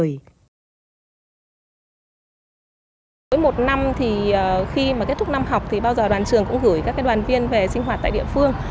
đối với một năm thì khi mà kết thúc năm học thì bao giờ đoàn trường cũng gửi các đoàn viên về sinh hoạt tại địa phương